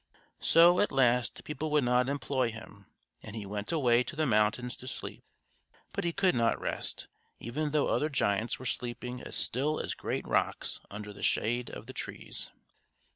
So, at last, people would not employ him and he went away to the mountains to sleep; but he could not rest, even though other giants were sleeping as still as great rocks under the shade of the trees.